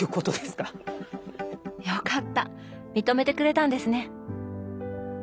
よかった認めてくれたんですね！